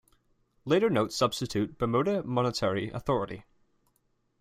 Later notes substitute "Bermuda Monetary Authority".